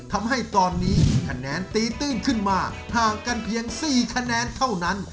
ทำให้ตอนนี้คะแนนตีตื้นขึ้นมาห่างกันเพียง๔คะแนนเท่านั้น